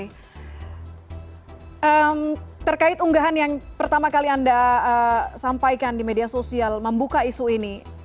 terkait unggahan yang pertama kali anda sampaikan di media sosial membuka isu ini